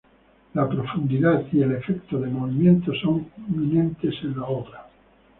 La profundidad y el efecto de movimiento son inminentes en la obra.